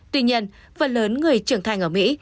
tuy nhiên phần lớn người trưởng thành ở mỹ